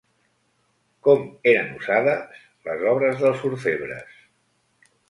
Com eren usades les obres dels orfebres?